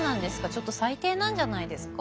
ちょっと最低なんじゃないですか？